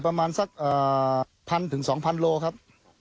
ประมาณสักพันถึงสองพันโลครับ